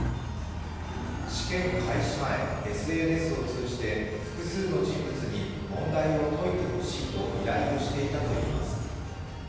試験開始前、ＳＮＳを通じて複数の人物に問題を解いてほしいと依頼をしていたといいます。